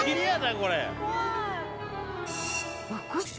これ！